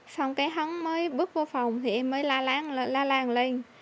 xong cái hắn mới bước vô phòng thì em mới la lan lên